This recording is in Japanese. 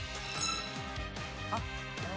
あっ。